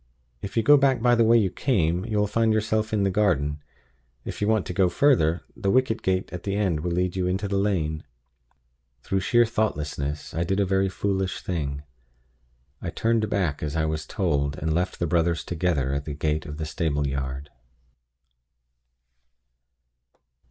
If you go back by the way you came, you will find yourself in the garden. If you want to go further, the wicket gate at the end will lead you into the lane." Through sheer thoughtlessness, I did a very foolish thing. I turned back as I was told, and left the brothers together at the gate of the stable yard.